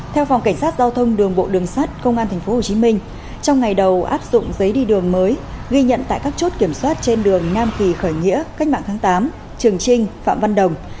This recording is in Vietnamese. theo phòng cảnh sát giao thông đường bộ đường sát công an tp hcm trong ngày đầu áp dụng giấy đi đường mới ghi nhận tại các chốt kiểm soát trên đường nam kỳ khởi nghĩa cách mạng tháng tám trường trinh phạm văn đồng